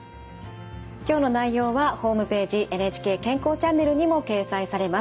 今日の内容はホームページ「ＮＨＫ健康チャンネル」にも掲載されます。